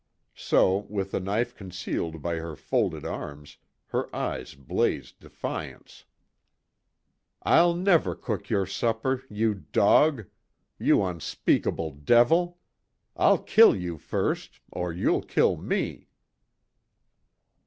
So with the knife concealed by her folded arms, her eyes blazed defiance: "I'll never cook your supper! You dog! You unspeakable devil! I'll kill you first or you'll kill me!"